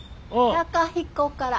貴彦から。